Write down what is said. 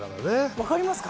分かりますか？